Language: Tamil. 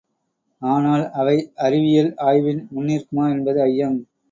ஆனால், அவை அறிவியல் ஆய்வின் முன்னிற்குமா என்பது ஐயம்.